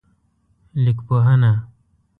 لیکپوهنه